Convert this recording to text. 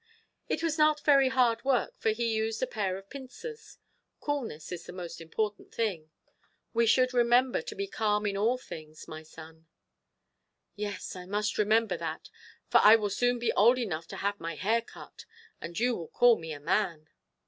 "It was not very hard work, for he used a pair of pincers. Coolness is the most important thing. We should remember to be calm in all things, my son." "Yes, I must remember that, for I will soon be old enough to have my hair cut, and you will call me a man."